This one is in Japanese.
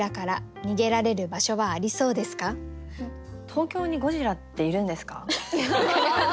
東京にゴジラっているんですか？